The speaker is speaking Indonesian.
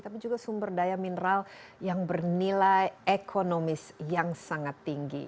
tapi juga sumber daya mineral yang bernilai ekonomis yang sangat tinggi